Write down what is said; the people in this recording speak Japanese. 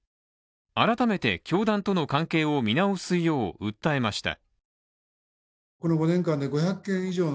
改めて教団との関係を見直すよう訴えました。